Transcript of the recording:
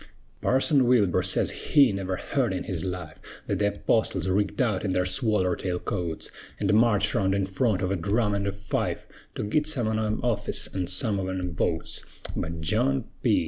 Parson Wilbur sez he never heerd in his life Thet th' Apostles rigged out in their swaller tail coats, An' marched round in front of a drum an' a fife, To git some on 'em office, an' some on 'em votes; But John P.